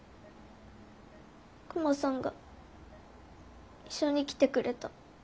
クマさんが一緒に来てくれた。